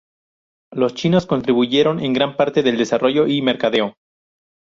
Los chinos contribuyeron en gran parte del desarrollo y mercadeo.